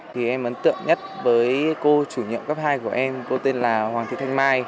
thì em ấn tượng nhất với cô chủ nhiệm cấp hai của em cô tên là hoàng thị thanh mai